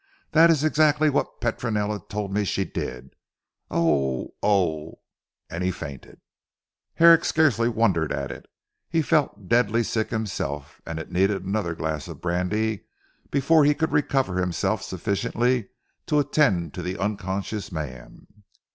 "That is exactly what Petronella told me she did. Oh, oh!" and he fainted. Herrick scarcely wondered at it; he felt deadly sick himself and it needed another glass of brandy before he could recover himself sufficiently to attend to the unconscious man.